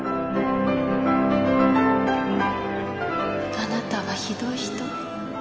あなたはひどい人。